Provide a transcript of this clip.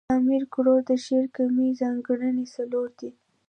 د امیر کروړ د شعر عمومي ځانګړني، څلور دي.